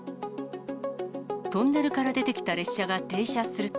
トンネルから出てきた列車が停車すると。